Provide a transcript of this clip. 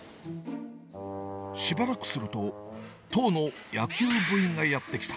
しばらくすると、当の野球部員がやって来た。